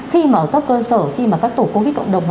khi mà ở các cơ sở khi mà các tổ covid cộng đồng